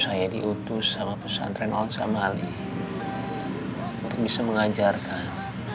saya diutus sama pesantren al sambali untuk bisa mengajarkan